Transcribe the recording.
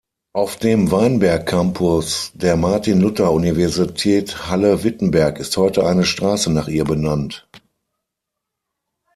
Auf dem Weinberg Campus der Martin-Luther-Universität Halle-Wittenberg ist heute eine Straße nach ihr benannt.